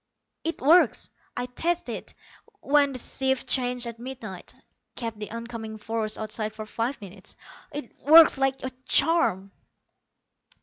"It works. I tested it when the shifts changed at midnight; kept the oncoming force outside for five minutes. It works like a charm."